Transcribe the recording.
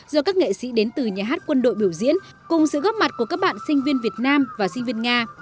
do các nghệ sĩ đến từ nhà hát quân đội biểu diễn cùng sự góp mặt của các bạn sinh viên việt nam và sinh viên nga